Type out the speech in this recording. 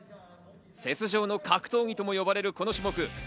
雪上の格闘技とも呼ばれるこの種目。